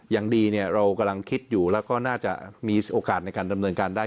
อย่างดีเนี่ยเรากำลังคิดอยู่แล้วก็น่าจะมีโอกาสในการดำเนินการได้